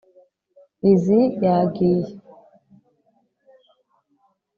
Lizzie yagiye